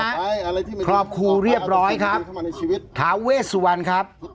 อะไรที่ครอบครูเรียบร้อยครับขึ้นมาในชีวิตทาเวสวรรค์ครับ